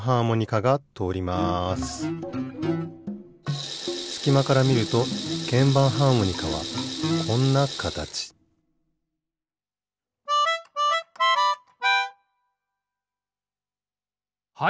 すきまからみるとけんばんハーモニカはこんなかたちはい